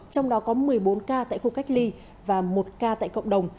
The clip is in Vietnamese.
trong đó có một mươi bốn ca tại khu cách ly và một ca tại cộng đồng